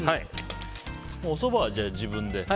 おそばは自分で？